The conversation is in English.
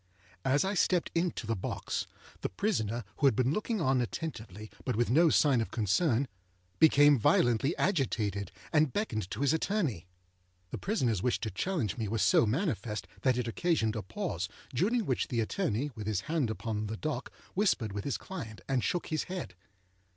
As I stepped into the box, the prisoner, who had been looking on attentively, but with no sign of concern, became violently agitated, and beckoned to his attorney. The prisonerâs wish to challenge me was so manifest, that it occasioned a pause, during which the attorney, with his hand upon the dock, whispered with his client, and shook his head.